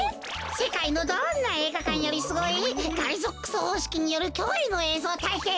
せかいのどんなえいがかんよりスゴイガリゾックスほうしきによるきょういのえいぞうたいけん！